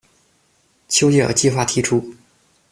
邱吉尔计划提出。